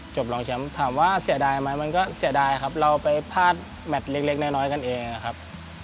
จบรองช้ำถามว่าเสียดายมั้ยมันก็เสียดายครับเราไปพลาดแบทเล็กหน่อยกันเองครับ